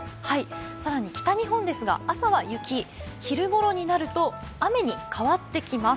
更に北日本ですが朝は雪、昼頃になると雨に変わってきます。